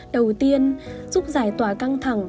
đầu tiên giúp giải tỏa căng thẳng